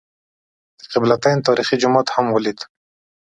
د قبله تین تاریخي جومات هم ولېد.